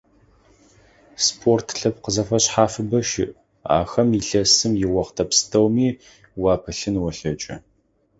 Спорт лъэпкъ зэфэшъхьафыбэ щыӀ, ахэм илъэсым иохътэ пстэуми уапылъын олъэкӀы.